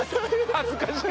恥ずかしい。